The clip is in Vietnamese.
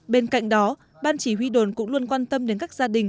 bên cạnh đó ban chỉ huy đồn cũng luôn quan tâm đến các gia đình